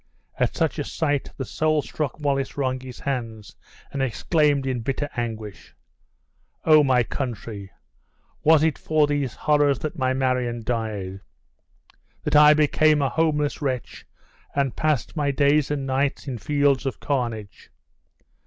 At such a sight the soul struck Wallace wrung his hands, and exclaimed in bitter anguish, "Oh, my country! was it for these horrors that my Marion died? that I became a homeless wretch, and passed my days and nights in fields of carnage?